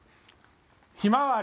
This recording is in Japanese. ひまわり。